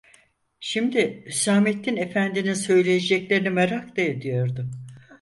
Şimdi Hüsamettin efendinin söyleyeceklerini merak da ediyordu.